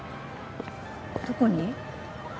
どこに？